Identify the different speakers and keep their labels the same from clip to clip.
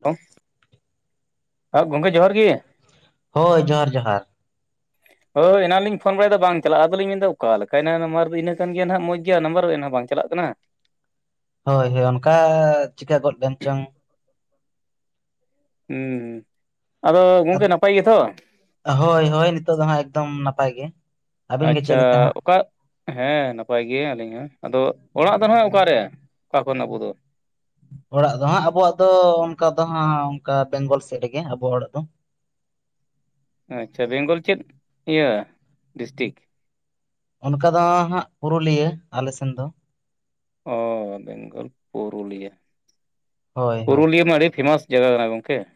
Speaker 1: Hello.
Speaker 2: [inaudible] ᱜᱚᱢᱠᱮ ᱡᱚᱦᱟᱨ ᱜᱮ ᱾
Speaker 1: ᱦᱳᱭ ᱡᱚᱦᱟᱨ ᱡᱚᱦᱟᱨ ᱾
Speaker 2: ᱦᱳᱭ ᱮᱱᱟᱝ ᱞᱤᱧ ᱯᱷᱳᱱ ᱵᱟᱲᱟᱭᱮᱫᱟ ᱵᱟᱝ ᱪᱟᱞᱟᱜᱟ ᱾ ᱟᱫᱚᱞᱤᱧ ᱢᱮᱱ ᱮᱫᱟ ᱚᱠᱟ ᱞᱮᱠᱟ ᱮᱱᱟ ᱱᱟᱢᱱᱟᱨ ᱫᱚ ᱤᱱᱟᱹ ᱠᱟᱱ ᱜᱮᱭᱟ ᱱᱟᱦᱟᱜ ᱢᱚᱸᱡᱽ ᱜᱮᱭᱟ, ᱱᱟᱢᱵᱟᱨ ᱮᱱᱦᱚᱸ ᱵᱟᱝ ᱪᱟᱞᱟᱜ ᱠᱟᱱᱟ ᱾
Speaker 1: ᱦᱳᱭ ᱦᱳᱭ ᱚᱱᱠᱟ ᱪᱤᱠᱟᱹ ᱜᱚᱫ ᱞᱮᱱ ᱪᱚᱝ ᱾
Speaker 2: ᱦᱩᱸᱻ
Speaker 1: [inaudible] ᱦᱳᱭ ᱦᱳᱭ ᱱᱤᱛᱚᱜ ᱫᱚ ᱦᱟᱸᱜ ᱮᱠᱫᱚᱢ ᱱᱟᱯᱟᱭ ᱜᱮ ᱾
Speaker 2: ᱟᱪᱪᱷᱟ, ᱚᱠᱟ ᱦᱮᱸ ᱱᱟᱯᱟᱭ ᱜᱮ ᱟᱹᱞᱤᱧ ᱦᱚᱸ ᱾ ᱟᱫᱚ ᱚᱲᱟᱜ ᱫᱚ ᱱᱟᱜ ᱚᱠᱟ ᱨᱮ ᱚᱠᱟ ᱠᱷᱚᱱ ᱟᱵᱚ ᱫᱚ?
Speaker 1: ᱚᱲᱟᱜ ᱫᱚ ᱦᱟᱸᱜ ᱟᱵᱚᱣᱟᱜ ᱫᱚ ᱚᱱᱠᱟ ᱫᱚ ᱦᱟᱸᱜ ᱚᱱᱠᱟ ᱵᱮᱝᱜᱚᱞ ᱥᱮᱫ ᱨᱮᱜᱮ ᱟᱵᱚᱣᱟᱜ ᱚᱲᱟᱜ ᱫᱚ ᱾
Speaker 2: ᱟᱪᱪᱷᱟ, ᱵᱮᱝᱜᱚᱞ ᱪᱮᱫ ᱤᱭᱟᱹ ᱰᱤᱥᱴᱤᱠ?
Speaker 1: ᱚᱱᱠᱟ ᱫᱚ ᱦᱟᱸᱜ ᱯᱩᱨᱩᱞᱤᱭᱟᱹ ᱟᱞᱮ ᱥᱮᱱ ᱫᱚ ᱾
Speaker 2: ᱚ, ᱵᱮᱝᱜᱚᱞ ᱯᱩᱨᱩᱞᱤᱭᱟᱹ
Speaker 1: ᱦᱳᱭ
Speaker 2: ᱾
Speaker 1: ᱦᱳᱭ
Speaker 2: ᱯᱩᱨᱩᱞᱤᱭᱟᱹ ᱢᱟ ᱟᱹᱰᱤ ᱯᱷᱮᱢᱟᱥ ᱡᱟᱭᱜᱟ ᱠᱟᱱᱟ ᱜᱚᱢᱠᱮ ᱾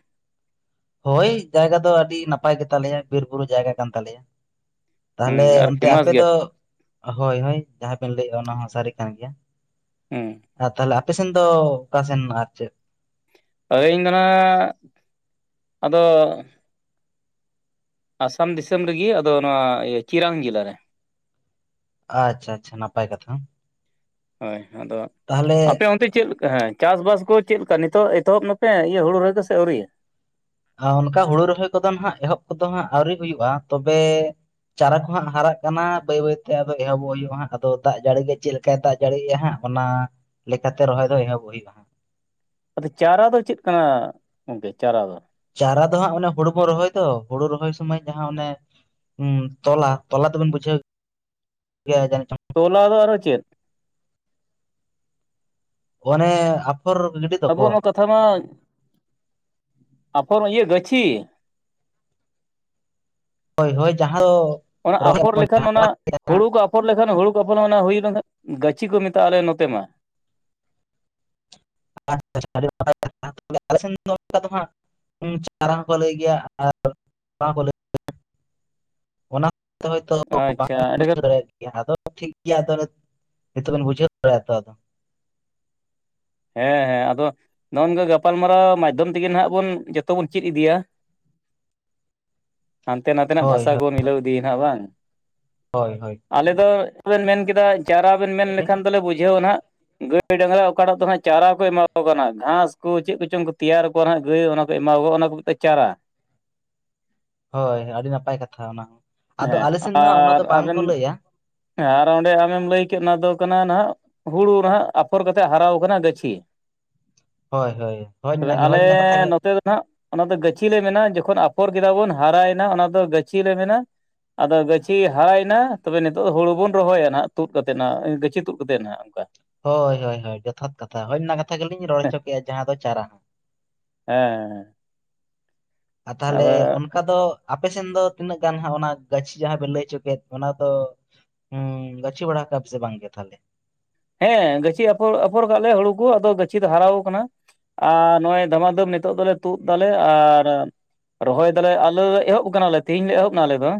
Speaker 1: ᱦᱳᱭ ᱡᱟᱭᱜᱟ ᱫᱚ ᱟᱹᱰᱤ ᱱᱟᱯᱟᱭ ᱜᱮ ᱛᱟᱞᱮᱭᱟ ᱾ ᱵᱤᱨ ᱵᱩᱨᱩ ᱡᱟᱭᱜᱟ ᱠᱟᱱ ᱛᱟᱞᱮᱭᱟ ᱾
Speaker 2: ᱦᱩᱸ
Speaker 1: ᱛᱟᱦᱞᱮ
Speaker 2: ᱟᱨ
Speaker 1: ᱚᱱᱛᱮ
Speaker 2: ᱯᱷᱮᱢᱟᱥ
Speaker 1: ᱟᱯᱮ
Speaker 2: ᱜᱮᱭᱟ
Speaker 1: ᱫᱚ ᱦᱳᱭ ᱦᱳᱭ ᱡᱟᱦᱟᱸ ᱵᱮᱱ ᱞᱟᱹᱭᱮᱫᱼᱟ ᱚᱱᱟ ᱦᱚᱸ ᱥᱟᱹᱨᱤ ᱠᱟᱱ ᱜᱮᱭᱟ
Speaker 2: ᱦᱩᱸ
Speaker 1: ᱾ ᱟᱨ ᱛᱟᱦᱚᱞᱮ ᱟᱯ ᱟᱯᱮ ᱥᱮᱱ ᱫᱚ ᱚᱠᱟ ᱥᱮᱱ ᱟᱨ ᱪᱮᱫ?
Speaker 2: ᱟᱹᱞᱤᱧ ᱫᱚ ᱱᱟᱦᱟᱜ [inaudible] ᱟᱫᱚ ᱟᱥᱟᱢ ᱫᱤᱥᱚᱢ ᱨᱮᱜᱮ ᱟᱫᱚ ᱱᱚᱣᱟ ᱤᱭᱟᱹ ᱪᱤᱨᱟᱱ ᱡᱮᱞᱟ ᱨᱮ ᱾
Speaker 1: ᱟᱪᱪᱷᱟ ᱟᱪᱪᱷᱟ ᱱᱟᱯᱟᱭ ᱠᱟᱛᱷᱟ ᱾
Speaker 2: ᱦᱳᱭ, ᱟᱫᱚ ᱟᱯᱮ ᱚᱱᱛᱮ ᱪᱮᱫ ᱞᱮᱠᱟ? ᱦᱮᱸ ᱪᱟᱥᱵᱟᱥ ᱠᱚ ᱪᱮᱫ ᱞᱮᱠᱟ ᱱᱤᱛᱚᱜ ᱮᱛᱚᱦᱚᱵ ᱮᱱᱟ ᱯᱮ, ᱤᱭᱟᱹ ᱦᱩᱲᱩ ᱨᱚᱦᱚᱭ ᱥᱮ ᱟᱹᱣᱨᱤᱭᱟᱹ?
Speaker 1: ᱟᱨ ᱚᱱᱠᱟ ᱦᱩᱲᱩ ᱨᱚᱦᱚᱭ ᱠᱚᱫᱚ ᱱᱟᱦᱟᱜ ᱮᱦᱚᱵ ᱠᱚᱫᱚ ᱦᱟᱸᱜ ᱟᱹᱣᱨᱤ ᱦᱩᱭᱩᱜᱼᱟ, ᱛᱚᱵᱮ ᱪᱟᱨᱟ ᱠᱚ ᱦᱟᱸᱜ ᱦᱟᱨᱟᱜ ᱠᱟᱱᱟ ᱵᱟᱹᱭ ᱵᱟᱹᱭᱛᱮ ᱾ ᱟᱫᱚ ᱮᱦᱚᱵᱚᱜ ᱦᱩᱭᱩᱜᱼᱟ ᱦᱟᱸᱜ, ᱟᱫᱚ ᱫᱟᱜ ᱡᱟᱹᱲᱤ ᱜᱮ ᱪᱮᱫ ᱪᱮᱫᱠᱟᱭ ᱫᱟᱜ ᱡᱟᱹᱲᱤᱭᱮᱜᱼᱟ ᱦᱟᱸᱜ ᱾ ᱚᱱᱟ ᱞᱮᱠᱟ ᱛᱮ ᱨᱚᱦᱚᱭ ᱫᱚ ᱮᱦᱚᱵ ᱦᱩᱭᱩᱜᱼᱟ ᱦᱟᱸᱜ ᱾
Speaker 2: ᱟᱫᱚ ᱪᱟᱨᱟ ᱫᱚ ᱪᱮᱫ ᱠᱟᱱᱟ ᱜᱚᱝᱠᱮ ᱪᱟᱨᱟ ᱫᱚ?
Speaker 1: ᱪᱟᱨᱟ ᱫᱚ ᱦᱟᱸᱜ ᱚᱱᱮ ᱦᱩᱲᱩ ᱵᱚᱱ ᱨᱚᱦᱚᱭ ᱫᱚ, ᱦᱩᱲᱩ ᱨᱚᱦᱚᱭ ᱥᱚᱢᱚᱭ ᱡᱟᱦᱟᱸ ᱚᱱᱮ ᱦᱩᱸ ᱛᱚᱞᱟ, ᱛᱚᱞᱟ ᱫᱚ ᱵᱮᱱ ᱵᱩᱡᱷᱟᱹᱣ ᱜᱮᱭᱟ ᱡᱟᱹᱱᱤᱡ ᱪᱚᱝ ᱾
Speaker 2: ᱛᱚᱞᱟ ᱫᱚ ᱟᱨᱦᱚ ᱪᱮᱫ?
Speaker 1: ᱚᱱᱮ ᱟᱯᱷᱚᱨ ᱜᱤᱰᱤ ᱫᱚᱠᱚ ᱾
Speaker 2: [unintelligible] ᱟᱯᱷᱚᱨ ᱤᱭᱟᱹ ᱜᱟᱹᱪᱷᱤ?
Speaker 1: ᱦᱳᱭ ᱦᱳᱭ, ᱡᱟᱦᱟᱸ ᱫᱚ
Speaker 2: ᱚᱱᱟ
Speaker 1: ᱨᱚᱦᱚᱭ
Speaker 2: ᱟᱯᱷᱚᱨ
Speaker 1: ᱟᱵᱚᱱ
Speaker 2: ᱞᱮᱠᱷᱟᱱ ᱚᱱᱟ
Speaker 1: ᱡᱟᱦᱟᱸ᱾
Speaker 2: ᱦᱩᱲᱩ ᱠᱚ ᱟᱯᱷᱚᱨ ᱞᱮᱠᱷᱟᱱ ᱦᱩᱲᱩ ᱠᱚ ᱟᱯᱷᱚᱨ ᱚᱱᱟ ᱦᱩᱭ ᱞᱮᱱᱠᱷᱟᱱ ᱜᱟᱹᱪᱷᱤ ᱠᱚ ᱢᱮᱛᱟᱜ ᱟᱞᱮ ᱱᱚᱛᱮ ᱢᱟ ᱾ [inaudible]
Speaker 1: [unintelligible] ᱟᱞᱮ ᱥᱮᱱ ᱫᱚ ᱚᱱᱠᱟ ᱫᱚ ᱦᱟᱸᱜ ᱪᱟᱨᱟ ᱦᱚᱸᱠᱚ ᱞᱟᱹᱭ ᱜᱮᱭᱟ ᱟᱨ [unintelligible] ᱛᱚ ᱦᱳᱭᱛᱚ ᱵᱟᱢ
Speaker 2: ᱟᱪᱪᱷᱟ ᱮᱸᱰᱮᱠᱷᱟᱱ
Speaker 1: ᱵᱩᱡᱷᱟᱹᱣ [unintelligible] ᱟᱫᱚ ᱴᱷᱤᱠ ᱜᱮᱭᱟ ᱾ ᱟᱫᱚ ᱱᱤᱛᱚᱜ ᱵᱤᱱ ᱵᱩᱡᱷᱟᱹᱣ ᱫᱟᱲᱮᱭᱟᱜ-ᱟ ᱛᱚ ᱟᱫᱚ ᱾
Speaker 2: ᱦᱮᱸ ᱦᱮᱸ ᱟᱫᱚ ᱱᱚᱜᱼ ᱱᱚᱝᱠᱟ ᱜᱟᱯᱟᱞᱢᱟᱨᱟᱣ ᱢᱟᱫᱽᱫᱷᱚᱢ ᱛᱮᱜᱮ ᱱᱟᱜ ᱵᱚᱱ ᱡᱚᱛᱚ ᱵᱚᱱ ᱪᱮᱫ ᱤᱫᱤᱭᱟ ᱦᱟᱱᱛᱮ ᱱᱟᱛᱮᱱᱟᱜ
Speaker 1: ᱦᱳᱭ
Speaker 2: ᱵᱷᱟᱥᱟ ᱠᱚ
Speaker 1: ᱦᱳᱭ
Speaker 2: ᱢᱤᱞᱟᱹᱣ ᱤᱫᱤᱭᱮᱱᱟ ᱵᱟᱝ
Speaker 1: ᱦᱳᱭ ᱦᱳᱭ
Speaker 2: ᱟᱞᱮ ᱫᱚ ᱡᱟᱦᱟᱸ ᱵᱮᱱ ᱢᱮᱱ ᱠᱮᱫᱟ ᱪᱟᱨᱟ ᱵᱮᱱ ᱢᱮᱱ
Speaker 1: ᱞᱟᱹᱭ ᱵᱤᱱ
Speaker 2: ᱞᱮᱠᱷᱟᱱ ᱫᱚᱞᱮ ᱵᱩᱡᱷᱟᱹᱣᱟ ᱱᱟᱦᱟᱜ ᱜᱟᱹᱭ ᱰᱟᱝᱨᱟ ᱚᱠᱟᱴᱟᱜ ᱫᱚ ᱦᱟᱸᱜ ᱪᱟᱨᱟ ᱠᱚ ᱮᱢᱟᱣ ᱟᱠᱚ ᱠᱟᱱᱟ ᱜᱷᱟᱥ ᱠᱚ ᱪᱮᱫ ᱠᱚᱪᱚᱝ ᱠᱚ ᱛᱮᱭᱟᱨ ᱟᱠᱚᱣᱟ ᱦᱟᱸᱜ ᱜᱟᱹᱭ ᱚᱱᱟ ᱠᱚ ᱮᱢᱟ ᱠᱚᱣᱟ ᱚᱱᱟ ᱠᱚ ᱢᱮᱛᱟᱜ-ᱟ ᱪᱟᱨᱟ
Speaker 1: ᱦᱳᱭ ᱟᱹᱰᱤ ᱱᱟᱯᱟᱭ ᱠᱟᱛᱷᱟ ᱚᱱᱟ ᱦᱚᱸ ᱟᱫᱚ
Speaker 2: ᱦᱮᱸ
Speaker 1: ᱟᱞᱮᱥᱮᱱ ᱫᱚ ᱦᱟᱸᱜ ᱚᱱᱟ ᱫᱚ ᱵᱟᱝ ᱠᱚ ᱞᱟᱹᱭᱟ
Speaker 2: ᱦᱮᱸ ᱟᱨ ᱚᱸᱰᱮ ᱟᱢᱮᱢ ᱞᱟᱹᱭ ᱠᱮᱫ ᱚᱱᱟ ᱫᱚ ᱠᱟᱱᱟ ᱱᱟᱦᱟᱜ ᱦᱩᱲᱩ ᱱᱟᱼᱦᱟᱸᱜ ᱟᱯᱷᱚᱨ ᱠᱟᱛᱮᱜ ᱦᱟᱨᱟᱣ ᱠᱟᱱᱟ ᱜᱟᱹᱪᱷᱤ
Speaker 1: ᱦᱳᱭ ᱦᱳᱭ ᱦᱳᱭ ᱚᱱᱟ ᱜᱮ ᱦᱳᱭ ᱚᱱᱟ ᱠᱟᱛᱷᱟ ᱜᱮ
Speaker 2: ᱱᱟᱜ ᱚᱱᱟ ᱫᱚ ᱜᱟᱹᱪᱷᱤ ᱞᱮ ᱢᱮᱱᱟ ᱡᱚᱠᱷᱚᱱ ᱟᱯᱷᱚᱨ ᱠᱮᱫᱟ ᱵᱚᱱ ᱦᱟᱨᱟᱭᱮᱱᱟ ᱚᱱᱟ ᱫᱚ ᱜᱟᱹᱪᱷᱤ ᱞᱮ ᱢᱮᱱᱟ ᱟᱫᱚ ᱜᱟᱹᱪᱷᱤ ᱦᱟᱨᱟᱭᱮᱱᱟ ᱛᱚᱵᱮ ᱱᱤᱛᱚᱜ ᱫᱚ ᱦᱩᱲᱩ ᱵᱚᱱ ᱨᱚᱦᱚᱭᱟ ᱱᱟᱦᱱᱟᱜ ᱛᱩᱫ ᱠᱟᱛᱮ ᱜᱟᱹᱪᱷᱤ ᱛᱩᱫ ᱠᱟᱛᱮ ᱱᱟᱦᱱᱟᱜ ᱚᱱᱠᱟ
Speaker 1: ᱦᱳᱭ ᱦᱳᱭ ᱦᱳᱭ ᱡᱚᱛᱷᱟᱛ ᱠᱟᱛᱷᱟ ᱦᱳᱭ ᱚᱱᱟ ᱠᱟᱛᱷᱟ ᱜᱮᱞᱤᱧ ᱨᱚᱲ ᱦᱚᱪᱚ ᱠᱮᱫᱼᱟ ᱡᱟᱦᱟᱸ ᱫᱚ ᱪᱟᱨᱟ ᱦᱚᱸ
Speaker 2: ᱦᱮᱸᱻ
Speaker 1: ᱟᱨ ᱛᱟᱦᱚᱞᱮ ᱚᱱ ᱚᱱᱠᱟ ᱫᱚ ᱟᱯᱮ ᱥᱮᱱ ᱫᱚ ᱛᱤᱱᱟᱹᱜ ᱜᱟᱱ ᱦᱟᱸᱜ ᱚᱱᱟ ᱜᱟᱹᱪᱷᱤ ᱡᱟᱦᱟᱸ ᱵᱮᱱ ᱞᱟᱹᱭ ᱦᱚᱪᱚ ᱠᱮᱫ ᱚᱱᱟ ᱫᱚ ᱦᱩᱸ ᱜᱟᱹᱪᱷᱤ ᱵᱟᱲᱟ ᱠᱟᱜ ᱟᱯᱮ ᱥᱮ ᱵᱟᱝ ᱜᱮ ᱛᱟᱞᱦᱮ?
Speaker 2: ᱦᱮᱸ ᱜᱟᱹᱪᱷᱤ ᱟᱯᱷᱚᱨ ᱟᱯᱷᱚᱨ ᱠᱟᱫ ᱟᱞᱮ ᱦᱩᱲᱩ ᱠᱚ ᱟᱫᱚ ᱜᱟᱹᱪᱷᱤ ᱫᱚ ᱦᱟᱨᱟᱣ ᱟᱠᱟᱱᱟ ᱟᱨ ᱱᱚᱜᱼᱚᱭ ᱫᱷᱟᱢᱟᱫᱩᱢ ᱱᱤᱛᱳᱜ ᱫᱚᱞᱮ ᱛᱩᱫ ᱫᱟᱞᱮ ᱟᱨ ᱨᱚᱦᱚᱭ ᱫᱟᱞᱮ ᱟᱞᱮ ᱞᱮ ᱮᱦᱚᱵ ᱟᱠᱟᱱᱟᱞᱮ ᱛᱮᱦᱤᱧ ᱞᱮ ᱮᱦᱚᱵ ᱱᱟ ᱟᱞᱮ ᱫᱚ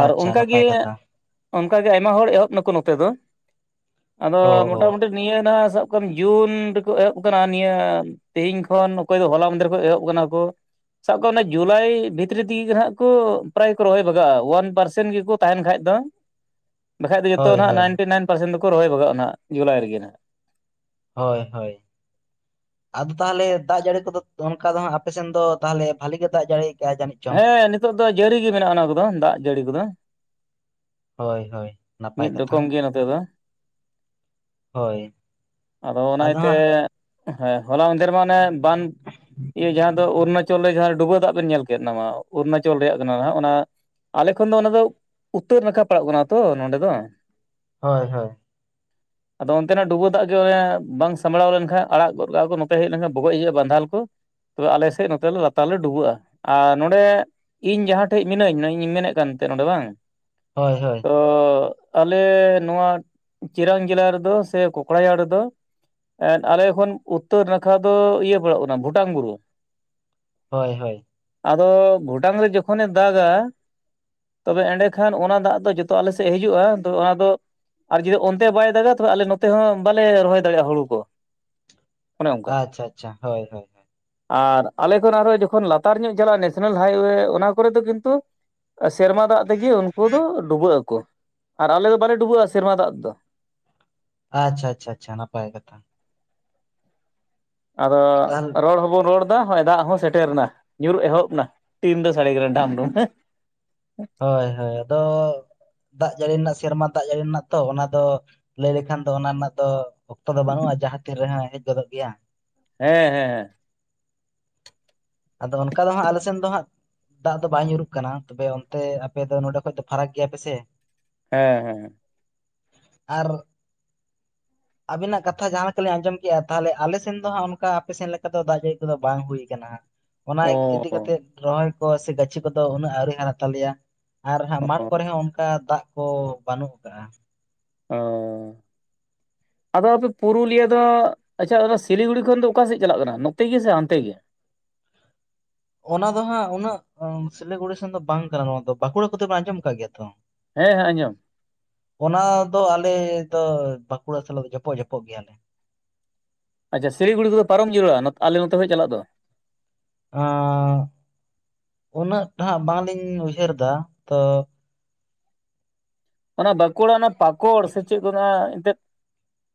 Speaker 2: ᱟᱨ ᱚᱱᱠᱟᱜᱮ
Speaker 1: ᱱᱟᱯᱟᱭ ᱠᱟᱛᱷᱟ
Speaker 2: ᱚᱱᱠᱟᱜᱮ ᱟᱭᱢᱟ ᱦᱚᱲ ᱮᱦᱚᱵ ᱱᱟᱠᱚ ᱱᱚᱛᱮ ᱫᱚ ᱟᱫᱚ
Speaker 1: ᱚ ᱚ
Speaker 2: ᱢᱚᱴᱟᱢᱩᱴᱤ ᱱᱤᱭᱟᱹ ᱱᱟ ᱥᱟᱵ ᱠᱟᱜ ᱢᱮ ᱡᱩᱱ ᱨᱮᱠᱚ ᱮᱦᱚᱵ ᱟᱠᱟᱱᱟ ᱱᱤᱭᱟᱹ ᱛᱮᱦᱤᱧ ᱠᱷᱚᱱ ᱚᱠᱚᱭ ᱫᱚ ᱦᱚᱞᱟ ᱢᱟᱦᱫᱮᱨ ᱠᱷᱚᱱ ᱮᱦᱚᱵ ᱟᱠᱟᱱᱟ ᱠᱚ ᱥᱟᱵ ᱠᱟᱜ ᱢᱮ ᱡᱩᱞᱟᱭ ᱵᱷᱤᱛᱨᱤ ᱛᱮᱜᱮ ᱦᱟᱸᱜ ᱠᱚ ᱯᱨᱟᱭ ᱠᱚ ᱨᱚᱦᱚᱭ ᱵᱷᱟᱜᱟᱜᱼᱟ ᱳᱣᱟᱱ ᱯᱟᱨᱥᱮᱱ ᱜᱮᱠᱚ ᱛᱟᱦᱮᱱ ᱠᱷᱟᱡ ᱫᱚ ᱵᱟᱠᱷᱟᱡ ᱫᱚ ᱡᱚᱛᱚ
Speaker 1: ᱦᱳᱭ
Speaker 2: ᱟᱸᱜ
Speaker 1: ᱦᱳᱭ
Speaker 2: ᱱᱟᱭᱤᱱᱴᱤ ᱱᱟᱭᱤᱱ ᱯᱟᱨᱥᱮᱱ ᱫᱚᱠᱚ ᱨᱚᱦᱚᱭ ᱵᱷᱟᱜᱟᱜᱼᱟ ᱦᱟᱸᱜ ᱡᱩᱞᱟᱭ ᱨᱮᱜᱮ ᱱᱟᱼᱦᱟᱸᱜ
Speaker 1: ᱦᱳᱭ ᱦᱳᱭ ᱟᱫᱚ ᱛᱟᱞᱦᱮ ᱫᱟᱜ ᱡᱟᱹᱲᱤ ᱠᱚᱫᱚ ᱚᱱᱠᱟ ᱫᱚ ᱦᱟᱸᱜ ᱟᱯᱮᱥᱱ ᱫᱚ ᱛᱟᱞᱦᱮ ᱵᱷᱟᱹᱞᱤ ᱜᱮ ᱫᱟᱜ ᱡᱟᱹᱲᱤ ᱠᱟᱜᱼᱟᱭ ᱡᱟᱹᱱᱤᱡ? ᱪᱚᱝ?
Speaker 2: ᱦᱮᱸ ᱱᱤᱛᱚᱜ ᱫᱚ ᱡᱟᱹᱲᱤ ᱜᱮ ᱢᱮᱱᱟᱜᱼᱟ ᱚᱱᱟ ᱠᱚᱫᱚ ᱫᱟᱜ ᱡᱟᱹᱲᱤ ᱠᱚᱫᱚ
Speaker 1: ᱦᱳᱭ ᱦᱳᱭ ᱱᱟᱯᱟᱭ
Speaker 2: ᱢᱤᱫ
Speaker 1: ᱠᱟᱛᱷᱟ
Speaker 2: ᱨᱚᱠᱚᱢ ᱜᱮ ᱱᱚᱛᱮ ᱫᱚ।
Speaker 1: ᱦᱳᱭ
Speaker 2: ᱟᱫᱚ ᱚᱱᱟ ᱛᱮ ᱦᱮᱸ ᱦᱚᱞᱟ ᱢᱟᱫᱷᱮᱨ ᱢᱟ ᱚᱱᱮ ᱵᱟᱱ ᱤᱭᱟᱹ ᱡᱟᱦᱟᱸ ᱫᱚ ᱚᱨᱩᱱᱟᱪᱚᱞ ᱨᱮ ᱡᱟᱦᱟᱸ ᱰᱩᱵᱟᱹ ᱫᱟᱜ ᱵᱮᱱ ᱧᱮᱞ ᱠᱮᱫ ᱱᱚᱣᱟ ᱚᱨᱩᱱᱟᱪᱚᱞ ᱨᱮᱭᱟᱜ ᱠᱟᱱᱟ ᱦᱟᱸᱜ ᱚᱱᱟ ᱟᱞᱮ ᱠᱷᱚᱱ ᱫᱚ ᱚᱱᱟ ᱫᱚ ᱩᱛᱛᱚᱨ ᱱᱟᱠᱷᱟ ᱯᱟᱲᱟᱜ ᱠᱟᱱᱟ ᱛᱚ ᱱᱚᱰᱮ ᱫᱚ
Speaker 1: ᱦᱳᱭ ᱦᱳᱭ
Speaker 2: ᱴ [inaudible] ᱟᱫᱚ ᱚᱱᱛᱮᱱᱟᱜ ᱰᱩᱵᱟᱹ ᱫᱟᱜ ᱜᱮ ᱚᱱᱮ ᱵᱟᱝ ᱥᱟᱢᱵᱲᱟᱣ ᱞᱮᱱᱠᱷᱟᱱ ᱟᱲᱟᱜ ᱜᱚᱫ ᱠᱟᱜᱼᱟ ᱠᱚ ᱱᱚᱛᱮ ᱦᱮᱡ ᱞᱮᱱᱠᱷᱟᱱ ᱵᱚᱜᱚᱡ ᱦᱤᱡᱟᱹᱜᱼᱟ ᱵᱟᱸᱫᱷᱟ ᱠᱚ ᱛᱚᱵᱮ ᱟᱞᱮ ᱥᱮᱫ ᱱᱚᱛᱮ ᱞᱟᱛᱟᱨ ᱞᱮ ᱰᱩᱵᱟᱹᱜᱼᱟ ᱟᱨ ᱱᱚᱸᱰᱮ ᱤᱧ ᱡᱟᱦᱟᱸ ᱴᱷᱮᱡ ᱢᱤᱱᱟᱹᱧ ᱱᱚᱜᱼᱚᱭ ᱤᱧ ᱢᱮᱱᱮᱫ ᱠᱟᱱ ᱛᱟᱦᱮᱸ ᱱᱚᱰᱮ ᱵᱟᱝ
Speaker 1: ᱦᱳᱭ ᱦᱳᱭ
Speaker 2: ᱛᱚ ᱟᱞᱮ ᱱᱚᱣᱟ ᱪᱤᱨᱟᱱ ᱡᱮᱞᱟ ᱨᱮᱫᱚ ᱥᱮ ᱠᱚᱠᱲᱟᱡᱟᱲ ᱨᱮᱫᱚ ᱮᱸᱜ ᱟᱞᱮᱠᱷᱚᱱ ᱩᱛᱛᱚᱨ ᱱᱟᱠᱷᱟ ᱫᱚ ᱤᱭᱟᱹ ᱯᱟᱲᱟᱜ ᱠᱟᱱᱟ ᱵᱷᱩᱴᱟᱝ ᱵᱩᱨᱩ
Speaker 1: ᱦᱳᱭ ᱦᱳᱭ
Speaker 2: ᱟᱫᱚ ᱵᱷᱩᱴᱟᱝ ᱨᱮ ᱡᱚᱠᱷᱚᱱᱮ ᱫᱟᱜᱟ ᱛᱚᱵᱮ ᱮᱸᱰᱮᱠᱷᱟᱱ ᱚᱱᱟ ᱫᱟᱜ ᱫᱚ ᱡᱚᱛᱚ ᱟᱞᱮ ᱥᱮᱫ ᱦᱤᱡᱩᱜᱼᱟ ᱛᱚ ᱚᱱᱟ ᱫᱚ ᱟᱨ ᱡᱩᱫᱤ ᱚᱱᱛᱮ ᱦᱚᱸ ᱵᱟᱭ ᱫᱟᱜᱟ ᱛᱚᱵᱮ ᱟᱞᱮ ᱱᱚᱛᱮ ᱦᱚᱸ ᱵᱟᱞᱮ ᱨᱚᱦᱚᱭ ᱫᱟᱲᱮᱜᱼᱟ ᱦᱩᱲᱩ ᱠᱚ ᱚᱱᱮ ᱚᱱᱠᱟ
Speaker 1: ᱟᱪᱪᱷᱟ ᱟᱪᱪᱷᱟ ᱦᱳᱭ ᱦᱳᱭ ᱦᱳᱭ
Speaker 2: ᱟᱨ ᱟᱞᱮ ᱠᱷᱚᱱ ᱟᱨᱦᱚᱸ ᱡᱚᱠᱷᱚᱱ ᱞᱟᱛᱟᱨ ᱧᱚᱜ ᱪᱟᱞᱟᱜᱼᱟ ᱱᱮᱥᱱᱮᱞ ᱦᱟᱭᱚᱭᱮ ᱚᱱᱟ ᱠᱚᱨᱮ ᱫᱚ ᱠᱤᱱᱛᱩ ᱥᱮᱨᱢᱟ ᱫᱟᱜ ᱛᱮᱜᱮ ᱩᱱᱠᱩ ᱫᱚ ᱰᱩᱵᱟᱹᱜ ᱟᱠᱚ, ᱟᱨ ᱟᱞᱮ ᱫᱚ ᱵᱟᱞᱮ ᱰᱩᱵᱟᱹᱜᱼᱟ ᱥᱮᱨᱢᱟ ᱫᱟᱜ ᱛᱮᱫᱚ᱾
Speaker 1: ᱟᱪᱪᱷᱟ ᱟᱪᱪᱷᱟ ᱟᱪᱪᱷᱟ ᱱᱟᱯᱟᱭ ᱠᱟᱛᱷᱟ᱾
Speaker 2: ᱟᱫᱚ
Speaker 1: ᱛᱟᱦᱚᱞᱮ
Speaker 2: ᱨᱚᱲ ᱦᱚᱵᱚᱱ ᱨᱚᱲ ᱫᱟ ᱦᱚᱸᱭ ᱫᱟᱜ ᱦᱚᱸ ᱥᱮᱴᱮᱨᱮᱱᱟ ᱧᱩᱨᱩᱜ ᱮᱦᱚᱵ ᱱᱟ ᱴᱤᱢ ᱫᱚ ᱥᱟᱵᱮ ᱠᱟᱱᱟ ᱰᱷᱟᱢᱩ ᱵᱷᱤᱢ ᱦᱮᱸ᱾
Speaker 1: ᱦᱳᱭ ᱦᱳᱭ, ᱟᱫᱚ ᱫᱟᱜ ᱡᱟᱹᱲᱤ ᱨᱮᱱᱟᱜ ᱥᱮᱨᱢᱟ ᱫᱟᱜ ᱡᱟᱹᱲᱤ ᱨᱮᱱᱟᱜ ᱛᱚ ᱚᱱᱟ ᱫᱚ ᱞᱟᱹᱭ ᱞᱮᱠᱷᱟᱱ ᱫᱚ ᱚᱱᱟ ᱨᱮᱱᱟᱜ ᱫᱚ ᱚᱠᱛᱚ ᱫᱚ ᱵᱟᱹᱱᱩᱜᱼᱟ ᱡᱟᱦᱟᱸ ᱛᱤᱨ ᱨᱮᱦᱟᱸ ᱦᱮᱡ ᱜᱚᱫᱚᱜ ᱜᱮᱭᱟ᱾
Speaker 2: ᱦᱮᱸ ᱦᱮᱸ ᱦᱮᱸ᱾
Speaker 1: ᱟᱫᱚ ᱚᱱᱠᱟ ᱫᱚ ᱦᱟᱸᱜ ᱟᱞᱮ ᱥᱮᱱ ᱫᱚ ᱦᱟᱸᱜ ᱫᱟᱜ ᱫᱚ ᱵᱟᱭ ᱧᱩᱨᱩᱜ ᱠᱟᱱᱟ, ᱛᱚᱵᱮ ᱚᱱᱛᱮ ᱟᱯᱮ ᱫᱚ ᱱᱚᱰᱮ ᱠᱷᱚᱡ ᱫᱚ ᱯᱷᱟᱨᱟᱠ ᱜᱮᱭᱟ ᱯᱮᱥᱮ
Speaker 2: ᱦᱮᱸ ᱦᱮᱸ᱾
Speaker 1: ᱟᱨ ᱟᱵᱤᱱᱟᱜ ᱠᱟᱛᱷᱟ ᱡᱟᱦᱟᱸ ᱞᱮᱠᱟᱞᱤᱧ ᱟᱸᱡᱚᱢ ᱠᱮᱜᱼᱟ ᱛᱟᱦᱚᱞᱮ ᱟᱞᱮ ᱥᱮᱱ ᱫᱚ ᱦᱟᱸᱜ ᱚᱱᱠᱟ ᱟᱯᱮ ᱥᱮᱱ ᱞᱮᱠᱟ ᱫᱚ ᱫᱟᱜ ᱡᱟᱹᱲᱤ ᱠᱚᱫᱚ ᱵᱟᱝ ᱦᱩᱭ ᱠᱟᱱᱟ᱾ ᱚᱱᱟ ᱤᱫᱤ
Speaker 2: ᱚ
Speaker 1: ᱠᱟᱛᱮᱜ ᱨᱚᱦᱚᱭ ᱠᱚ ᱥᱮ ᱜᱟᱹᱪᱷᱤ ᱠᱚᱫᱚ ᱩᱱᱟᱹᱜ ᱟᱹᱣᱨᱤ ᱦᱟᱨᱟ ᱛᱟᱞᱮᱭᱟ, ᱟᱨ ᱦᱟᱸᱜ
Speaker 2: ᱚ
Speaker 1: ᱢᱟᱴᱷ ᱠᱚᱨᱮ ᱦᱚᱸ ᱚᱱᱠᱟ ᱫᱟᱜ ᱠᱚ ᱵᱟᱹᱱᱩᱜ ᱠᱟᱫᱜᱼᱟ᱾
Speaker 2: ᱚ ᱟᱫᱚ ᱟᱯᱮ ᱯᱩᱨᱩᱞᱤᱭᱟᱹ ᱫᱚ ᱟᱪᱪᱷᱟ ᱚᱱᱟ ᱥᱤᱞᱤᱜᱩᱲᱤ ᱠᱷᱚᱱ ᱫᱚ ᱚᱠᱟ ᱥᱮᱜ ᱪᱟᱞᱟᱜ ᱠᱟᱱᱟ ᱱᱚᱛᱮ ᱜᱮ ᱥᱮ ᱦᱟᱱᱛᱮ ᱜᱮ?
Speaker 1: ᱚᱱᱟ ᱫᱚ ᱦᱟᱸᱜ ᱩᱱᱟᱹᱜ ᱥᱤᱞᱜᱩᱲᱤ ᱥᱮᱱ ᱫᱚ ᱵᱟᱝ ᱠᱟᱱᱟ ᱱᱚᱣᱟ ᱫᱚ ᱵᱟᱸᱠᱩᱲᱟ ᱠᱚᱫᱚᱯᱮ ᱟᱸᱢᱚᱢ ᱟᱠᱟᱫ ᱜᱮᱭᱟ ᱛᱚ?
Speaker 2: ᱦᱮᱸ ᱦᱮᱸ ᱟᱸᱡᱚᱢ᱾
Speaker 1: ᱚᱱᱟ ᱫᱚ ᱟᱞᱮ ᱫᱚ ᱵᱟᱸᱠᱩᱲᱟ ᱥᱟᱞᱟᱜ ᱫᱚ ᱡᱷᱚᱯᱚᱜ ᱡᱷᱚᱯᱚᱜ ᱜᱮᱭᱟᱞᱮ᱾
Speaker 2: ᱟᱪᱪᱷᱟ ᱥᱤᱞᱤᱜᱩᱲᱤ ᱠᱚᱫᱚ ᱯᱟᱨᱚᱢ ᱡᱚᱲᱩᱲᱟ ᱟᱞᱮ ᱱᱚᱛᱮ ᱠᱷᱚᱡ ᱪᱟᱞᱟᱜ ᱫᱚ?
Speaker 1: ᱦᱟᱸ ᱩᱱᱟᱹᱜ ᱦᱟᱸᱜ ᱵᱟᱝᱞᱤᱧ ᱩᱭᱦᱟᱹᱨ ᱫᱟ, ᱛᱚ
Speaker 2: ᱚᱱᱟ ᱵᱟᱸᱠᱩᱲᱟ ᱚᱱᱟ ᱯᱟᱠᱚᱲ ᱥᱮ ᱪᱮᱫ ᱠᱚ ᱢᱮᱛᱟᱜᱼᱟ ᱮᱱᱛᱮᱫ?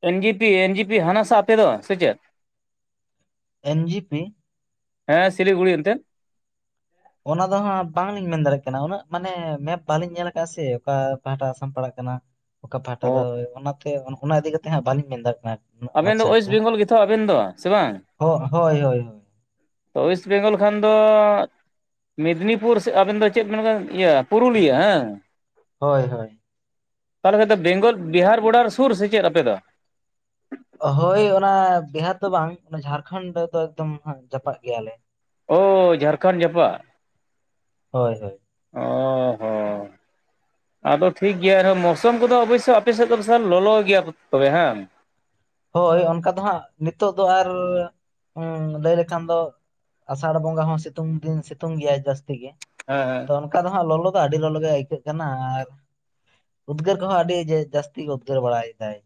Speaker 2: N G P N G P ᱦᱟᱸᱱᱟ ᱥᱟᱜ ᱟᱯᱮ ᱫᱚ ᱥᱮ ᱪᱮᱫ?
Speaker 1: ᱮᱱ ᱡᱤ ᱯᱤ?
Speaker 2: ᱦᱮᱸ ᱥᱤᱞᱤᱜᱩᱲᱤ ᱮᱱᱛᱮ?
Speaker 1: ᱚᱱᱟ ᱫᱚ ᱦᱟᱸᱜ ᱵᱟᱝᱞᱤᱧ ᱢᱮᱱ ᱫᱟᱲᱮᱜ ᱠᱟᱱᱟ ᱩᱱᱟᱹᱜ ᱢᱟᱱᱮ ᱢᱮᱯ ᱵᱟᱞᱤᱧ ᱧᱮᱞ ᱠᱟᱜᱼᱟ ᱥᱮ ᱚᱠᱟ ᱯᱟᱦᱴᱟ ᱟᱥᱟᱢ ᱯᱟᱲᱟᱜ ᱠᱟᱱᱟ, ᱚᱠᱟ ᱯᱟᱦᱟᱴᱟ
Speaker 2: ᱚ
Speaker 1: ᱫᱚ ᱚᱱᱟᱛᱮ ᱚᱱᱟ ᱤᱫᱤ ᱠᱟᱛᱮᱜ ᱦᱟᱸᱜ ᱵᱟᱹᱞᱤᱧ ᱢᱮᱱ ᱫᱟᱲᱭᱟᱜ ᱠᱟᱱᱟ᱾ ᱩᱱᱟᱹᱜ ᱢᱚᱸᱡᱽ
Speaker 2: ᱟᱵᱮᱱ ᱫᱚ ᱳᱭᱮᱥᱴ ᱵᱮᱝᱜᱚᱞ ᱜᱮᱛᱷᱚ ᱟᱵᱮᱱ ᱫᱚ ᱥᱮ ᱵᱟᱝ?
Speaker 1: ᱦᱚᱜ ᱦᱳᱭ ᱦᱳᱭ ᱦᱳᱭ᱾
Speaker 2: ᱛᱚ ᱚᱭᱮᱥᱴ ᱵᱮᱝᱜᱚᱞ ᱠᱷᱟᱱ ᱫᱚ ᱢᱮᱫᱽᱱᱤᱯᱩᱨ ᱥᱮ ᱟᱵᱮᱱ ᱫᱚ ᱪᱮᱫ ᱵᱮᱱ ᱤᱭᱟᱹ ᱯᱩᱨᱩᱞᱤᱭᱟᱹ ᱦᱮᱸ?
Speaker 1: ᱦᱳᱭ ᱦᱳᱭ᱾
Speaker 2: ᱛᱟᱦᱚᱞᱮ ᱠᱷᱟᱡ ᱫᱚ ᱵᱮᱝᱜᱚᱞ ᱵᱤᱦᱟᱨ ᱵᱚᱰᱟᱨ ᱥᱩᱨ ᱥᱮ ᱪᱮᱫ ᱟᱯᱮ ᱫᱚ?
Speaker 1: ᱦᱳᱭ ᱚᱱᱟ ᱵᱤᱦᱟᱨ ᱫᱚ ᱵᱟᱝ ᱚᱱᱟ ᱡᱷᱟᱨᱠᱷᱚᱸᱰ ᱨᱮᱫᱚ ᱮᱠᱫᱚᱢ ᱦᱟᱸᱜ ᱡᱟᱯᱟᱜ ᱜᱮᱭᱟᱞᱮ᱾
Speaker 2: ᱚ ᱡᱷᱟᱨᱠᱷᱚᱱᱰ ᱡᱟᱯᱟᱜ
Speaker 1: ᱦᱳᱭ ᱦᱳᱭ
Speaker 2: ᱚ ᱦᱚ᱾ ᱟᱫᱚ ᱴᱷᱤᱠ ᱜᱮᱭᱟ ᱮᱱᱨᱮᱦᱚᱸ ᱢᱳᱥᱢ ᱠᱚᱫᱚ ᱚᱵᱚᱥᱥᱳᱭ ᱟᱯᱮᱥᱮᱡ ᱫᱚ ᱵᱤᱥᱟᱞ ᱞᱚᱞᱚ ᱜᱮᱭᱟ ᱛᱚᱵᱮ ᱦᱮᱸ ᱟᱝ?
Speaker 1: ᱦᱳᱭ ᱚᱱᱠᱟ ᱫᱚ ᱦᱟᱸᱜ ᱱᱤᱛᱚᱜ ᱫᱚ ᱟᱨ ᱞᱟᱹᱭ ᱞᱮᱠᱷᱟᱱ ᱫᱚ ᱟᱥᱟᱲ ᱵᱚᱸᱜᱟ ᱦᱚᱸ ᱥᱤᱛᱩᱝ ᱫᱤᱱ ᱥᱤᱛᱩᱝ ᱜᱮᱭᱟᱭ ᱡᱟᱹᱥᱛᱤ ᱜᱮ,
Speaker 2: ᱦᱮ ᱦᱮ᱾
Speaker 1: ᱛᱚ ᱚᱱᱠᱟ ᱫᱚ ᱦᱟᱸᱜ ᱞᱚᱞᱚ ᱫᱚ ᱟᱹᱰᱤ ᱞᱚᱞᱚ ᱜᱮ ᱟᱹᱭᱠᱟᱹᱜ ᱠᱟᱱᱟ ᱟᱨ ᱩᱫᱽᱜᱟᱹᱨ ᱠᱚᱦᱚᱸ ᱟᱹᱰᱤ ᱡᱟᱹᱥᱛᱤ ᱜᱮ ᱩᱫᱽᱜᱟᱹᱨ ᱵᱟᱲᱟᱭ ᱫᱟᱭ᱾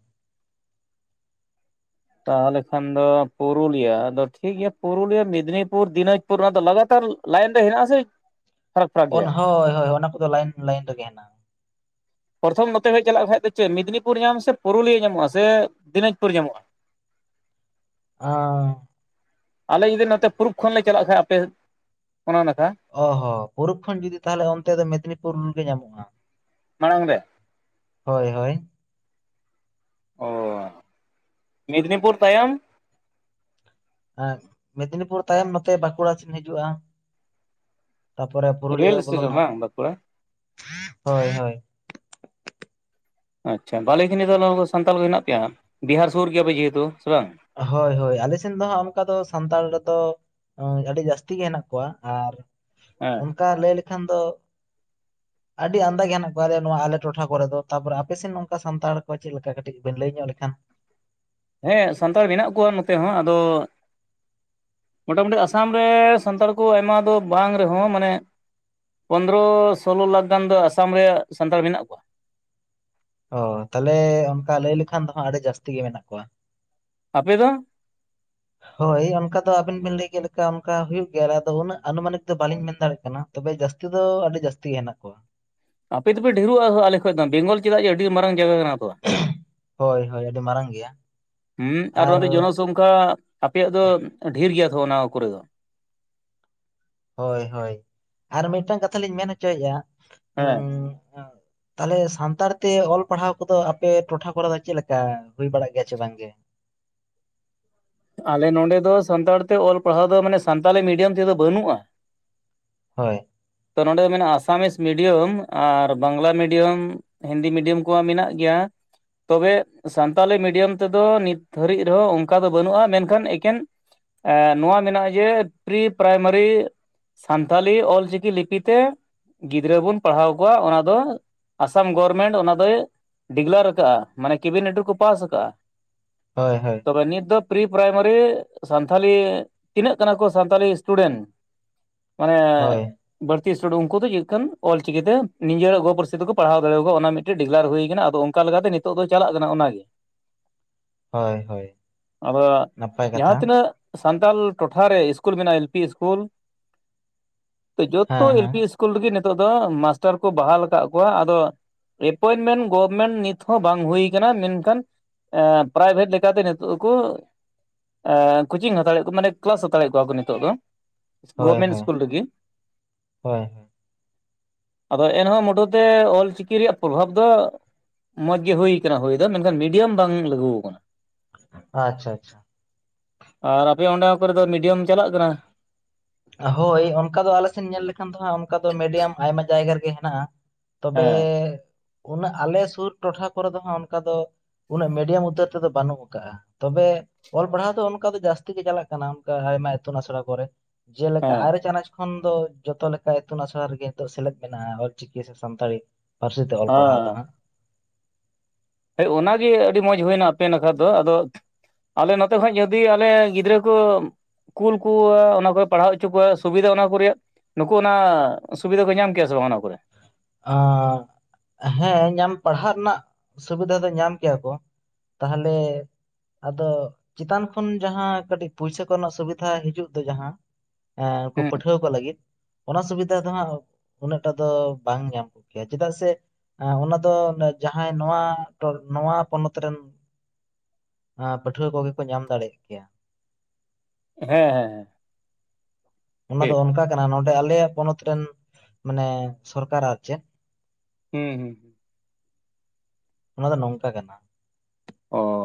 Speaker 2: ᱛᱟᱦᱚᱞᱮ ᱠᱷᱟᱱ ᱫᱚ ᱯᱩᱨᱩᱞᱤᱭᱟᱹ ᱟᱫᱚ ᱴᱷᱤᱠ ᱜᱮᱭᱟ ᱯᱩᱨᱩᱞᱤᱭᱟᱹ ᱟᱫᱚ ᱡᱷᱤᱠ ᱜᱤᱭᱟ ᱯᱚᱞᱴᱚᱱᱤᱭᱟ, ᱢᱮᱫᱽᱱᱤᱯᱩᱨ, ᱫᱤᱱᱟᱡᱽᱯᱩᱨ, ᱱᱚᱣᱟ ᱫᱚ ᱞᱟᱜᱟᱛᱟᱨ ᱞᱟᱭᱤᱱ ᱨᱮ ᱦᱮᱱᱟᱜ ᱟ ᱥᱮ ᱯᱷᱟᱨᱟᱠ ᱯᱷᱟᱨᱟᱠ ᱜᱮᱭᱟ
Speaker 1: ᱩᱱᱤ ᱦᱚᱸ ᱦᱳᱭ ᱦᱳᱭ ᱚᱱᱟ ᱠᱚᱫᱚ ᱞᱟᱭᱤᱱ ᱞᱟᱭᱤᱱ ᱨᱮᱜᱮ ᱦᱮᱱᱟᱜᱼᱟ᱾
Speaker 2: ᱯᱨᱚᱛᱷᱚᱢ ᱱᱚᱛᱮ ᱦᱮᱡ ᱪᱟᱞᱟᱜ ᱠᱷᱟᱱᱡ ᱫᱚ ᱪᱮᱫ ᱢᱮᱫᱽᱱᱤᱯᱩᱨ ᱧᱟᱢ ᱥᱮ ᱯᱩᱨᱩᱞᱤᱭᱟᱹ ᱧᱟᱢᱚᱜᱼᱟ ᱥᱮ, ᱫᱤᱱᱟᱡᱽᱯᱩᱨ ᱧᱟᱢᱚᱜᱼᱟ? [unintelligible]
Speaker 1: ᱟᱸ
Speaker 2: ᱟᱞᱮ ᱡᱩᱫᱤ ᱱᱚᱛᱮ ᱯᱩᱨᱩᱵ ᱠᱷᱚᱱᱞᱮ ᱪᱟᱞᱟᱜ ᱠᱷᱟᱱ ᱟᱯᱮ ᱚᱱᱟ ᱱᱟᱠᱷᱟ᱾
Speaker 1: ᱚ ᱦᱚ ᱯᱩᱨᱩᱵ ᱠᱷᱚᱱ ᱡᱩᱫᱤ ᱛᱟᱦᱚᱞᱮ ᱚᱱᱛᱮ ᱫᱚ ᱢᱮᱫᱽᱱᱤᱯᱩᱨ ᱜᱮ ᱧᱟᱢᱚᱜᱼᱟ᱾
Speaker 2: ᱢᱟᱲᱟᱝ ᱨᱮ?
Speaker 1: ᱦᱳᱭ ᱦᱳᱭ
Speaker 2: ᱚ ᱢᱮᱫᱽᱱᱤᱯᱩᱨ ᱛᱟᱭᱚᱢ
Speaker 1: ᱮᱸ ᱢᱮᱫᱽᱱᱤᱯᱩᱨ ᱛᱟᱭᱚᱢ ᱱᱚᱛᱮ ᱵᱟᱸᱠᱩᱲᱟ ᱥᱮᱫ ᱦᱤᱡᱩᱜᱼᱟ᱾ ᱛᱟᱯᱚᱨᱮ ᱯᱩᱨᱩᱞᱤᱭᱟᱹ
Speaker 2: ᱨᱮᱹᱞ ᱥᱴᱮᱥᱚᱱ
Speaker 1: ᱵᱚᱞᱱᱟ᱾
Speaker 2: ᱵᱟᱝ ᱵᱟᱸᱠᱩᱲᱟ?
Speaker 1: ᱦᱳᱭ, ᱦᱳᱭ
Speaker 2: ᱟᱪᱪᱷᱟ ᱵᱷᱟᱞᱮ ᱱᱤᱛᱚᱜ ᱫᱚ ᱟᱵᱚ ᱥᱟᱱᱛᱟᱞ ᱠᱚ ᱦᱮᱱᱟᱜ ᱯᱮᱭᱟ, ᱵᱤᱦᱟᱨ ᱥᱩᱨ ᱜᱮᱭᱟᱯᱮ ᱡᱮᱦᱮᱛᱩ ᱥᱮ ᱵᱟᱝ᱾
Speaker 1: ᱦᱳᱭ ᱦᱳᱭ ᱟᱞᱮᱥᱱ ᱫᱚ ᱦᱟᱸᱜ ᱚᱱᱠᱟ ᱫᱚ ᱥᱟᱱᱛᱟᱲ ᱨᱮᱫᱚ ᱟᱹᱰᱤ ᱡᱟᱹᱥᱛᱤ ᱜᱮ ᱦᱮᱱᱟᱜ ᱠᱚᱣᱟ, ᱟᱨ
Speaker 2: ᱦᱮᱸ
Speaker 1: ᱚᱱᱠᱟ ᱞᱟᱹᱭ ᱞᱮᱠᱷᱟᱱ ᱫᱚ
Speaker 2: [unintelligible]
Speaker 1: ᱟᱹᱰᱤ ᱟᱢᱫᱟ ᱜᱮ ᱦᱮᱱᱟᱜ ᱠᱚᱣᱟ ᱱᱚᱣᱟ ᱟᱞᱮ ᱴᱚᱴᱷᱟ ᱠᱚᱨᱮ ᱫᱚ, ᱛᱟᱯᱚᱨᱮ ᱟᱯᱮᱥᱱ ᱱᱚᱝᱠᱟ ᱥᱟᱱᱛᱟᱲ ᱠᱚ ᱪᱮᱫ ᱞᱮᱠᱟ ᱠᱟᱹᱴᱤᱡ ᱵᱮᱱ ᱞᱟᱹᱭ ᱧᱚᱜ ᱞᱮᱠᱷᱟᱱ?
Speaker 2: ᱦᱮᱸ ᱥᱟᱱᱛᱟᱲ ᱢᱮᱱᱟᱜ ᱠᱚᱣᱟ ᱱᱚᱛᱮ ᱦᱚᱸ ᱟᱫᱚ ᱢᱚᱴᱟᱢᱩᱴᱤ ᱟᱥᱟᱢ ᱨᱮ ᱥᱟᱱᱛᱟᱲ ᱠᱚ ᱟᱭᱢᱟ ᱫᱚ ᱵᱟᱝ ᱨᱮᱦᱚᱸ ᱢᱟᱱᱮ ᱯᱚᱱᱨᱚ ᱥᱳᱞᱞᱳ ᱞᱟᱠᱷ ᱜᱟᱱ ᱫᱚ ᱟᱥᱟᱢ ᱨᱮ ᱥᱟᱱᱛᱟᱲ ᱢᱮᱱᱟᱜ ᱠᱚᱣᱟ᱾
Speaker 1: ᱚ ᱛᱟᱦᱚᱞᱮ ᱚᱱᱠᱟ ᱞᱟᱹᱭ ᱞᱮᱠᱷᱟᱱ ᱫᱚ ᱦᱟᱸᱜ ᱟᱹᱰᱤ ᱡᱟᱹᱥᱛᱤ ᱜᱮ ᱢᱮᱱᱟᱜ ᱠᱚᱣᱟ᱾
Speaker 2: ᱟᱯᱮ ᱫᱚ?
Speaker 1: ᱦᱳᱭ ᱚᱱᱠᱟ ᱫᱚ ᱟᱵᱤᱱ ᱵᱤᱱ ᱞᱟᱹᱭ ᱠᱮᱫ ᱞᱮᱠᱟ ᱚᱱᱠᱟ ᱦᱩᱭᱩᱜ ᱜᱮᱭᱟ, ᱟᱨ ᱟᱫᱚ ᱩᱱᱟᱹᱜ ᱟᱱᱩᱢᱟᱱᱤᱠ ᱫᱚ ᱵᱟᱹᱞᱤᱧ ᱢᱮᱱ ᱫᱟᱲᱮᱭᱟᱜ ᱠᱟᱱᱟ᱾ ᱛᱚᱵᱮ ᱡᱟᱹᱥᱛᱤ ᱫᱚ ᱟᱹᱰᱤ ᱡᱟᱹᱟᱥᱛᱤ ᱜᱮ ᱦᱮᱱᱟᱜ ᱠᱚᱣᱟ᱾
Speaker 2: ᱟᱯᱮ ᱫᱚᱯᱮ ᱰᱷᱮᱨᱚᱜᱼᱟ ᱟᱞᱮ ᱠᱷᱚᱱ ᱫᱚ ᱵᱮᱝᱜᱚᱞ ᱪᱮᱫᱟᱜ ᱡᱮ ᱟᱹᱰᱤ ᱢᱟᱨᱟᱝ ᱡᱟᱭᱜᱟ ᱠᱟᱱᱟ᱾ ᱛᱚ
Speaker 1: ᱦᱳᱭ ᱦᱳᱭ ᱟᱹᱰᱤ ᱢᱟᱨᱟᱝ ᱜᱮᱭᱟ ᱟᱨ
Speaker 2: ᱚᱱᱠᱟ ᱟᱯᱮᱭᱟᱜ ᱫᱚ ᱰᱷᱮᱨ ᱜᱮᱭᱟ ᱛᱚ ᱚᱱᱟ ᱠᱚᱨᱮ ᱫᱚ
Speaker 1: ᱦᱳᱭ ᱦᱳᱭ ᱟᱨ ᱢᱤᱫᱴᱟᱝ ᱠᱟᱛᱷᱟ ᱞᱤᱧ ᱢᱮᱱ ᱦᱚᱪᱚᱭᱮᱫᱼᱟ᱾
Speaker 2: ᱦᱮᱸ
Speaker 1: ᱛᱟᱦᱚᱞᱮ ᱥᱟᱱᱛᱟᱲ ᱛᱮ ᱚᱞ ᱯᱟᱲᱦᱟᱣ ᱠᱚᱫᱚ ᱟᱯᱮ ᱴᱚᱴᱷᱟ ᱠᱚᱨᱮ ᱫᱚ ᱪᱮᱫ ᱞᱮᱠᱟ, ᱦᱩᱭ ᱵᱟᱲᱟᱜ ᱜᱮᱭᱟ ᱥᱮ ᱵᱟᱝ ᱜᱮ?
Speaker 2: ᱟᱞᱮ ᱱᱚᱰᱮ ᱫᱚ ᱥᱟᱱᱛᱟᱲ ᱛᱮ ᱚᱞ ᱯᱟᱲᱦᱟᱣ ᱫᱚ ᱢᱟᱱᱮ ᱥᱟᱱᱛᱟᱞᱤ ᱢᱤᱰᱤᱭᱟᱢ ᱛᱮᱫᱚ ᱵᱟᱹᱱᱩᱜᱼᱟ᱾
Speaker 1: ᱦᱳᱭ
Speaker 2: ᱛᱚ ᱱᱚᱸᱰᱮ ᱫᱚ ᱢᱮᱱᱟᱜ-ᱟ ᱟᱥᱟᱢᱤᱥ ᱢᱤᱰᱤᱭᱟᱢ ᱟᱨ ᱵᱟᱝᱞᱟ ᱢᱤᱰᱤᱭᱟᱢ ᱦᱤᱱᱫᱤ ᱢᱤᱰᱤᱭᱟᱢ ᱠᱚᱢᱟ ᱢᱮᱱᱟᱜ ᱜᱮᱭᱟ᱾ ᱛᱚᱵᱮ ᱥᱟᱱᱛᱟᱞᱤ ᱢᱤᱰᱤᱭᱟᱢ ᱛᱮᱫᱚ ᱱᱤᱛ ᱫᱷᱟᱹᱨᱤᱡ ᱨᱮᱦᱚᱸ ᱚᱱᱠᱟ ᱫᱚ ᱵᱟᱹᱱᱩᱜᱼᱟ᱾ ᱢᱮᱱᱠᱷᱟᱱ ᱮᱠᱮᱱ ᱮᱸ ᱱᱚᱣᱟ ᱢᱮᱱᱟᱜᱼᱟ ᱡᱮ ᱯᱨᱤ ᱯᱨᱟᱭᱢᱟᱨᱤ ᱥᱟᱱᱛᱷᱟᱞᱤ ᱚᱞᱪᱤᱠᱤ ᱞᱤᱯᱤ ᱛᱮ ᱜᱤᱫᱽᱨᱟᱹ ᱵᱚᱱ ᱯᱟᱲᱦᱟᱣ ᱠᱚᱣᱟ ᱚᱱᱟ ᱫᱚ, ᱟᱥᱟᱢ ᱜᱚᱨᱢᱮᱱᱴ ᱚᱱᱟ ᱫᱚᱭ ᱰᱤᱜᱽᱞᱟᱨ ᱟᱠᱟᱜᱼᱟ ᱢᱟᱱᱮ ᱠᱮᱵᱤᱱᱮᱴ ᱨᱮᱠᱚ ᱯᱟᱥ ᱟᱠᱟᱟᱜᱼᱟ᱾
Speaker 1: ᱦᱳᱭ ᱦᱳᱭ
Speaker 2: ᱛᱚᱵᱮ ᱱᱤᱛ ᱫᱚ ᱯᱨᱤ ᱯᱨᱟᱭᱢᱟᱨᱤ ᱥᱟᱱᱛᱷᱟᱞᱤ ᱛᱤᱱᱟᱹᱜ ᱠᱟᱱᱟ ᱠᱚ ᱥᱟᱱᱛᱟᱞᱤ ᱥᱴᱩᱰᱮᱱᱴ ᱢᱟᱱᱮ
Speaker 1: ᱦᱳᱭ
Speaker 2: ᱵᱟᱹᱲᱛᱤ ᱥᱴᱩᱰᱴ ᱩᱱᱠᱩ ᱫᱚ ᱪᱮᱫ ᱞᱮᱟᱱ ᱚᱞ ᱪᱤᱠᱤᱛᱮ ᱱᱤᱡᱮᱨᱟᱜ ᱜᱚ ᱯᱟᱹᱨᱥᱤ ᱛᱮᱠᱚ ᱯᱟᱲᱦᱟᱣ ᱫᱟᱲᱮᱭᱟᱠᱚᱣᱟ ᱚᱱᱟ ᱢᱤᱫᱴᱮᱱ ᱰᱤᱜᱞᱟᱨ ᱦᱩᱭᱟ ᱟᱠᱟᱱᱟ ᱟᱫᱚ ᱚᱱᱠᱟ ᱞᱮᱠᱟᱛᱮ ᱱᱤᱛᱚᱜ ᱫᱚ ᱪᱟᱞᱟᱜ ᱠᱟᱱᱟ ᱚᱱᱟ ᱜᱮ
Speaker 1: ᱦᱚᱭ ᱦᱚᱭ
Speaker 2: ᱟᱫᱚ ᱡᱟᱦᱟᱸ ᱛᱤᱱᱟᱹᱜᱼᱼ ᱥᱟᱱᱛᱟᱞ ᱴᱚᱴᱷᱟ ᱨᱮ ᱤᱥᱠᱩᱞ ᱢᱮᱱᱟᱜᱼᱟ ᱮᱞ ᱯᱤ ᱤᱥᱠᱩᱞ ᱡᱚᱛᱚ
Speaker 1: ᱦᱮᱸ
Speaker 2: ᱮᱞ
Speaker 1: ᱦᱮᱸ
Speaker 2: ᱯᱤ ᱤᱥᱠᱩᱞᱼᱼ ᱠᱩᱞ ᱨᱮᱜᱮ ᱱᱤᱛᱚᱜ ᱫᱚ ᱢᱟᱥᱴᱟᱨ ᱠᱚ ᱵᱟᱦᱟᱞ ᱟᱠᱟᱫ ᱠᱚᱣᱟ ᱟᱫᱚᱼᱼ ᱮᱯᱚᱭᱮᱱᱴᱢᱮᱱᱴ ᱜᱚᱵᱷᱢᱮᱱᱴ ᱱᱤᱛ ᱦᱚᱸ ᱵᱟᱝ ᱦᱩᱭᱩ ᱟᱠᱟᱱᱟ ᱢᱮᱱᱠᱷᱟᱱᱼᱼ ᱮᱸ ᱯᱨᱟᱭᱵᱷᱮᱴ ᱞᱮᱠᱟᱛᱮ ᱱᱤᱛᱚᱜᱼᱼ ᱩᱱᱠᱩ ᱠᱳᱪᱤᱝ ᱦᱟᱛᱟᱲᱮᱫ ᱠᱚ ᱢᱟᱱᱮ ᱠᱮᱞᱟᱥ ᱦᱟᱛᱟᱲᱮᱫ ᱠᱚᱣᱟ ᱠᱚ ᱱᱤᱛᱚᱜ ᱫᱚᱼᱼ
Speaker 1: ᱦᱳᱭ
Speaker 2: ᱜᱚᱵᱷᱢᱮᱱᱴ
Speaker 1: ᱦᱳᱭ
Speaker 2: ᱤᱥᱠᱩᱞ ᱨᱮᱜᱮ᱾
Speaker 1: ᱦᱳᱭ ᱦᱳᱭ,
Speaker 2: ᱟᱫᱚ ᱮᱱᱦᱚᱸ ᱢᱩᱴ ᱛᱮ ᱚᱞᱪᱤᱠᱤ ᱨᱮᱭᱟᱜ ᱯᱨᱚᱵᱷᱟᱵᱽ ᱫᱚᱼᱼ ᱢᱚᱸᱪ ᱜᱮ ᱦᱩᱭ ᱟᱠᱟᱱᱟ, ᱦᱩᱭ ᱫᱚ ᱢᱮᱱᱠᱷᱟᱱ ᱢᱤᱰᱤᱭᱟᱢ ᱵᱟᱝ ᱞᱟᱹᱜᱩ ᱟᱠᱟᱱᱟ᱾
Speaker 1: ᱟᱪᱪᱷᱟ, ᱟᱪᱪᱷᱟ
Speaker 2: ᱟᱨ ᱟᱯᱮᱭᱟᱜ ᱚᱸᱰᱮ ᱠᱚᱨᱮ ᱫᱚ ᱢᱤᱰᱤᱭᱟᱢ ᱪᱟᱞᱟᱜ ᱠᱟᱱᱟ?
Speaker 1: ᱦᱳᱭ ᱚᱱᱠᱟ ᱫᱚ ᱟᱞᱮᱥᱮᱱ ᱧᱮᱞ ᱞᱮᱠᱷᱟᱱ ᱫᱚ ᱦᱟᱜ, ᱚᱱᱠᱟ ᱫᱚ ᱢᱤᱰᱤᱭᱟᱢ ᱟᱭᱢᱟ ᱡᱟᱭᱜᱟ ᱨᱮᱜᱮ ᱦᱮᱱᱟᱜᱼᱟ᱾ ᱛᱚᱵᱮ
Speaker 2: ᱦᱮᱸ
Speaker 1: ᱩᱱᱟᱹᱜ ᱟᱞᱮ ᱥᱩᱨ ᱴᱚᱴᱷᱟ ᱠᱚᱨᱮ ᱫᱚ ᱦᱟᱜ ᱚᱱᱠᱟ ᱫᱚᱼᱼ ᱩᱱᱟᱹᱜ ᱢᱤᱰᱟᱢ ᱩᱫᱽᱫᱟᱹᱨ ᱛᱮᱫᱚ ᱵᱟᱹᱱᱩᱜᱼᱟ᱾ ᱛᱚᱵᱮ ᱚᱞ ᱯᱟᱲᱦᱟᱣ ᱫᱚ ᱚᱱᱠᱟ ᱫᱚ ᱡᱟᱹᱥᱛᱤ ᱜᱮ ᱪᱟᱞᱟᱜ ᱠᱟᱱᱟ ᱚᱱᱠᱟ ᱟᱭᱢᱟ ᱤᱛᱩᱱ ᱟᱥᱲᱟ ᱠᱚᱨᱮᱼᱼ ᱡᱮ ᱞᱮᱠᱟ
Speaker 2: ᱦᱮᱸ
Speaker 1: ᱟᱨᱮ ᱪᱟᱱᱟᱪᱼᱼ ᱠᱷᱚᱱ ᱫᱚ ᱡᱚᱛᱚ ᱞᱮᱠᱟ ᱤᱛᱩᱱ ᱟᱥᱲᱟ ᱨᱮᱜᱮ ᱥᱮᱞᱮᱫ ᱢᱮᱱᱟᱜᱼᱟ, ᱚᱞᱪᱤᱠᱤ ᱥᱮ ᱥᱟᱱᱛᱟᱲᱤᱼᱼ ᱯᱟᱹᱨᱥᱤ ᱛᱮ ᱚᱞ ᱯᱟᱲᱦᱟᱣ ᱫᱚ
Speaker 2: ᱦᱮᱸ
Speaker 1: ᱦᱟᱸᱜᱼᱼ
Speaker 2: ᱚᱱᱟᱜᱮ ᱟᱹᱰᱤ ᱢᱚᱸᱡᱽ ᱦᱩᱭᱱᱟ ᱟᱯᱮ ᱱᱟᱠᱷᱟ ᱫᱚ ᱟᱫᱚᱼᱼ ᱟᱞᱮ ᱱᱚᱛᱮ ᱠᱚᱸ ᱡᱚᱫᱤ ᱟᱞᱮ ᱜᱤᱫᱽᱨᱟᱹ ᱠᱚ ᱠᱩᱞ ᱠᱚᱣᱟ ᱚᱱᱟ ᱠᱚᱨᱮ ᱯᱟᱲᱦᱟᱣ ᱚᱪᱚ ᱠᱚᱣᱟ ᱥᱩᱵᱤᱫᱷᱟ ᱚᱱᱟ ᱠᱚ ᱨᱮᱭᱟᱜ ᱱᱩᱠᱩ ᱚᱱᱟ ᱥᱩᱵᱤᱫᱷᱟ ᱠᱚ ᱧᱟᱢ ᱠᱮᱭᱟ ᱥᱮ ᱵᱟᱝ ᱚᱱᱟ ᱠᱚᱨᱮ?
Speaker 1: ᱟᱨ ᱦᱮᱸ ᱧᱟᱢ ᱯᱟᱲᱦᱟᱜ ᱨᱮᱱᱟᱜ ᱥᱩᱵᱤᱫᱷᱟ ᱫᱚ ᱧᱟᱢ ᱠᱮᱭᱟ ᱠᱚ᱾ ᱛᱟᱦᱚᱞᱮᱼᱼ ᱟᱫᱚ ᱪᱮᱛᱟᱱ ᱠᱷᱚᱱ ᱡᱟᱦᱟᱸ ᱠᱟᱹᱴᱤᱡ ᱯᱩᱭᱥᱟᱹ ᱠᱚᱨᱮᱱᱟᱜ ᱥᱩᱵᱤᱫᱷᱟ ᱦᱤᱡᱩᱜ ᱫᱚ ᱡᱟᱦᱟᱸ ᱮᱠᱩ
Speaker 2: ᱦᱮᱸ
Speaker 1: ᱯᱟᱹᱴᱷᱩᱣᱟᱹ ᱠᱚ ᱞᱟᱹᱜᱤᱫ, ᱚᱱᱟ ᱥᱩᱵᱤᱫᱷᱟ ᱫᱚ ᱦᱟᱸᱜ ᱩᱱᱟᱹᱜᱚᱴᱟ ᱫᱚᱼᱼ ᱵᱟᱝ ᱧᱟᱢ ᱠᱚᱜᱮᱭᱟ ᱪᱮᱫᱟᱜ ᱥᱮᱼᱼ ᱚᱱᱟ ᱫᱚ ᱡᱟᱦᱟᱸᱭ ᱱᱚᱣᱟ ᱱᱚᱣᱟ ᱯᱚᱱᱚᱛ ᱨᱮᱱᱼᱼ ᱯᱟᱹᱴᱷᱩᱟᱹ ᱠᱚᱜᱮ ᱠᱚ ᱧᱟᱢ ᱫᱟᱲᱮᱭᱟᱜ ᱠᱮᱭᱟ᱾
Speaker 2: ᱦᱮᱸ ᱦᱮᱸ ᱦᱮᱸ
Speaker 1: ᱚᱱᱟ ᱫᱚ
Speaker 2: ᱴᱷᱤᱠ
Speaker 1: ᱚᱱᱠᱟ ᱠᱟᱱᱟ ᱱᱚᱰᱮ ᱟᱞᱮᱭᱟᱜ ᱯᱚᱱᱚᱛ ᱨᱮᱱ ᱢᱟᱱᱮ ᱥᱚᱨᱠᱟᱨ ᱟᱨ ᱪᱮᱫ?
Speaker 2: ᱦᱮᱸ ᱦᱩᱸ
Speaker 1: ᱚᱱᱟ ᱫᱚ ᱱᱚᱝᱠᱟ ᱠᱟᱱᱟ᱾
Speaker 2: ᱚᱻ